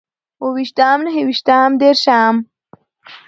اوويشتم، نهويشتم، ديرشم